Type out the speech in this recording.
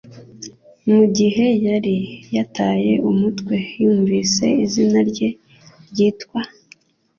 Mugihe yari yataye umutwe yumvise izina rye ryitwa